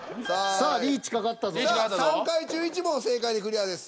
さあ３回中１問正解でクリアです。